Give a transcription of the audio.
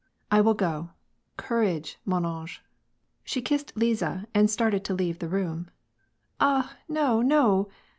" I will go. Courage, mon ange !" she kissed Liza and started to leave the room. " Ah, no, no